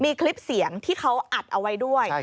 มีคลิปเสียงที่เขาอัดเอาไว้ด้วย